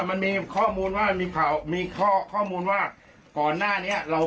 มันมีข้อมูลว่ามีข่าวมีข้อมูลว่าก่อนหน้านี้เรา